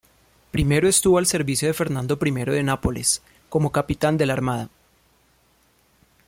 Primero estuvo al servicio de Fernando I de Nápoles, como capitán de la armada.